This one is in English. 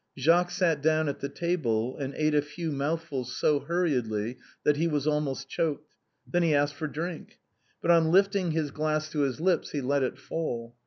Jacques sat down at the table, and eat a few mouthfuls so hurriedly that he was almost choked. Then he asked for a drink ; but on lifting his glass to his lips he let it fall.